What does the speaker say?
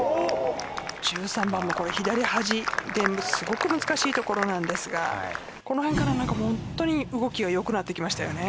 １３番も左端ですごく難しいところなんですがこのへんから本当に動きが良くなってきましたよね。